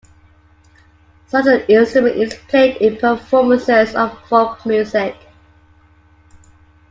Such an instrument is played in performances of folk music.